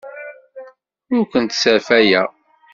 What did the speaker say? Ur kent-sserfayeɣ.